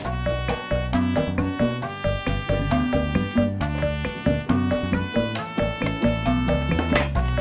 sampai jumpa lagi